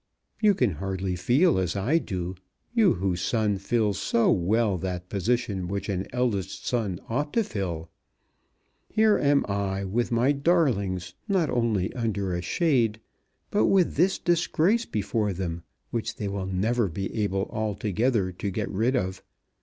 You can hardly feel as I do, you, whose son fills so well that position which an eldest son ought to fill! Here am I with my darlings, not only under a shade, but with this disgrace before them which they will never be able altogether to get rid of.